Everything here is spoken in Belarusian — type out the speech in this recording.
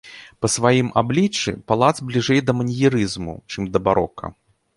Па сваім абліччы палац бліжэй да маньерызму, чым да барока.